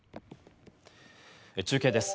中継です。